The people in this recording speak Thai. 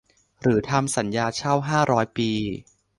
หรือทำสัญญาเช่าห้าร้อยปี